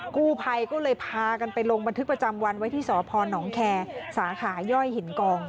กู้ภัยก็เลยพากันไปลงบันทึกประจำวันไว้ที่สพนแคร์สาขาย่อยหินกอง